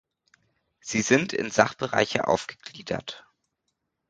Sie sind in Sachbereiche aufgegliedert.